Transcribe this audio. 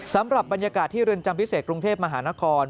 สำหรับบรรยากาศที่เรือนจำพิเศษกรุงเทพมหานคร